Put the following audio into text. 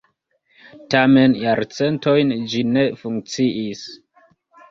Tamen jarcentojn ĝi ne funkciis.